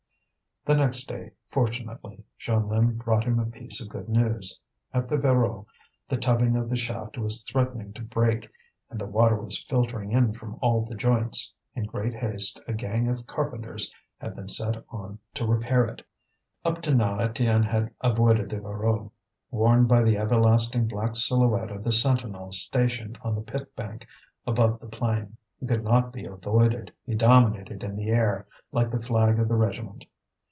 The next day, fortunately, Jeanlin brought him a piece of good news. At the Voreux the tubbing of the shaft was threatening to break, and the water was filtering in from all the joints; in great haste a gang of carpenters had been set on to repair it. Up to now Étienne had avoided the Voreux, warned by the everlasting black silhouette of the sentinel stationed on the pit bank above the plain. He could not be avoided, he dominated in the air, like the flag of the regiment.